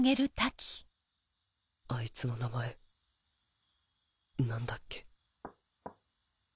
あいつの名前何だっけ？